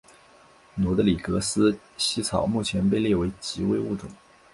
罗德里格斯茜草目前被列为极危物种。